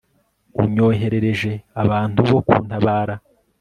unyoherereje abantu bo kuntabara